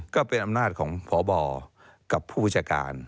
ก็เป็นอำนาจของพบกับผู้วิชาการ